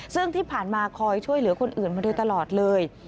ซึ่งที่ผ่านมาคอยช่วยเหลือคนอื่นมาโดยตลอดเลย